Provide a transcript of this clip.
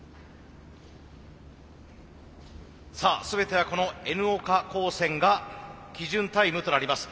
さあ全てはこのＮ岡高専が基準タイムとなります。